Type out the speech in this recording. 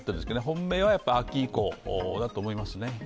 本命は秋以降だと思いますね。